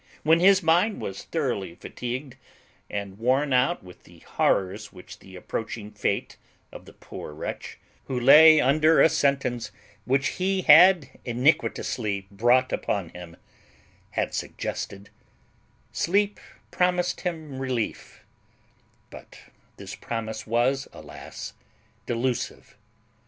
When his mind was thoroughly fatigued, and worn out with the horrors which the approaching fate of the poor wretch, who lay under a sentence which he had iniquitously brought upon him, had suggested, sleep promised him relief; but this promise was, alas! delusive.